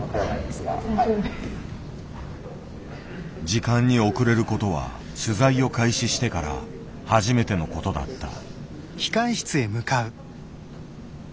時間に遅れることは取材を開始してから初めてのことだった。